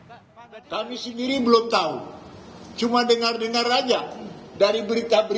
apa yang dikatakan penyalahgunan wenang